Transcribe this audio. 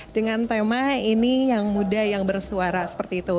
dengan tema ini yang muda yang bersuara seperti itu